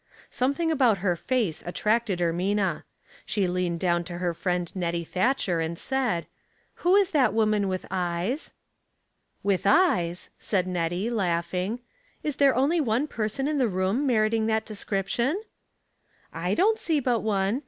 Something about her face attracted Ermina. She leaned down to her friend Nettie Thatcher and said, —" Who is that woman with eyes ?"" With eyes I " said Nettie, laughing. " Is 278 Household Puzzles, there only one person in the room nS'iriting that description ?" "Z don't see but one.